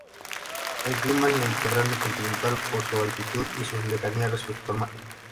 El clima es mediterráneo continental, por su altitud y su lejanía respecto al mar.